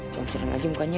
congcerang aja mukanya